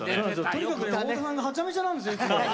とにかく太田さんははちゃめちゃなんですよ。